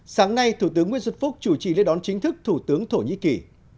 sáng nay thủ tướng nguyễn xuân phúc chủ trì lễ đón chính thức thủ tướng thổ nhĩ kỳ